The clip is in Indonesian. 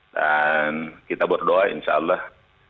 dan kita berdoa insya allah